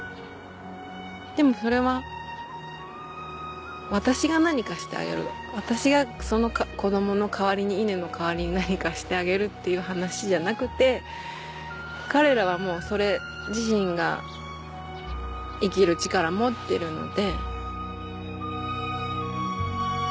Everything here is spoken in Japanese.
でもそれは私が何かしてあげる私がその子供の代わりに稲の代わりに何かしてあげるっていう話じゃなくて彼らはもうそれ自身が生きる力持ってるので。